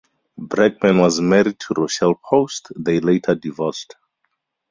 Brackman was married to Rochelle Post; they later divorced.